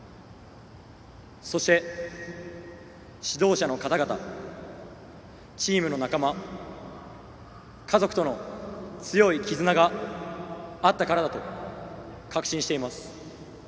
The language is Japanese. そして、指導者の方々チームの仲間家族との強い絆があったからだと確信しています。